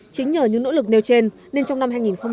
chính nhờ những nỗ lực nêu trên nên trong năm hai nghìn một mươi chín